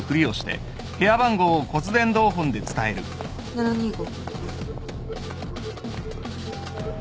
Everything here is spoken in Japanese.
７２５。